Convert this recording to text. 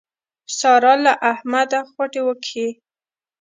سارا له احمده خوټې وکښې.